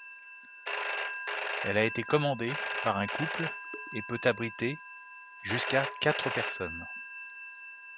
Elle a été commandée par un couple et peut abriter jusqu’à quatre personnes.